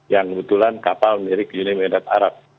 yang kebetulan kapal mirip united arab